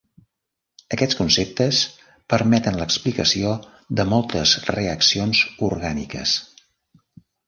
Aquests conceptes permeten l'explicació de moltes reaccions orgàniques.